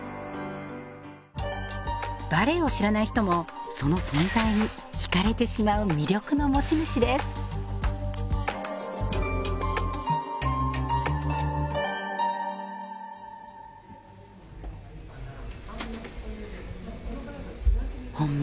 バレエを知らない人もその存在に惹かれてしまう魅力の持ち主ですホンマ